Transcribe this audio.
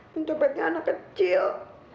pencopetnya anak kecil